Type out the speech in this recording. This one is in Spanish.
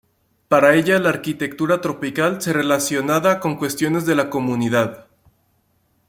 Para ella la arquitectura tropical se relacionada con cuestiones de la comunidad.